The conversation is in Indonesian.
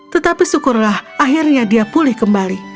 tetapi syukurlah akhirnya dia pulih kembali